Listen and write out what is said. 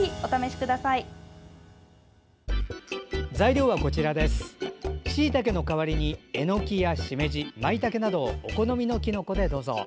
しいたけの代わりにえのきやしめじ、まいたけなどお好みのきのこで、どうぞ。